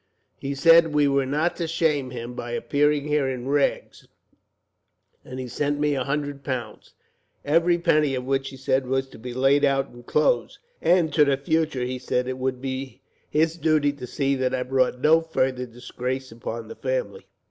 He said we were not to shame him by appearing here in rags, and he sent me a hundred pounds, every penny of which, he said, was to be laid out in clothes. As to the future, he said it would be his duty to see that I brought no further disgrace upon the family."